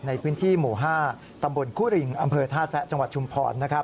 ในพื้นที่หมู่๕ตำบลคุริงอำเภอท่าแซะจังหวัดชุมพร